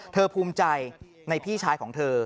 ภูมิใจในพี่ชายของเธอ